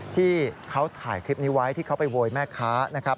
ที่เขาถ่ายคลิปนี้ไว้ที่เขาไปโวยแม่ค้านะครับ